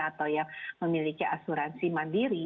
atau yang memiliki asuransi mandiri